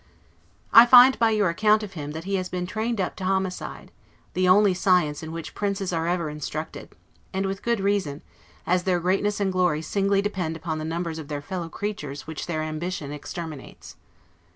I find, by your account of him, that he has been trained up to homicide, the only science in which princes are ever instructed; and with good reason, as their greatness and glory singly depend upon the numbers of their fellow creatures which their ambition exterminates.